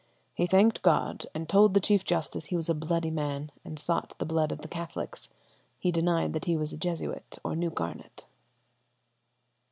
"He thanked God and told the Chief Justice he was a bloody man, and sought the blood of the Catholics. He denied that he was a Jesuit or knew Garnet.